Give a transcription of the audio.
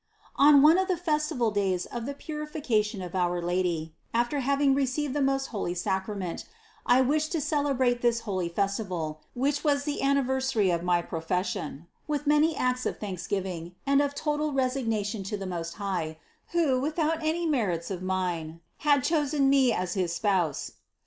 16. On one of the festival days of the Purification of Our Lady, after having received the most holy Sacra ment, I wished to celebrate this holy festival, which was the anniversary of my profession, with many acts of thanksgiving and of total resignation to the Most High, INTRODUCTION 17 who without any merits of mine had chosen me as his spouse.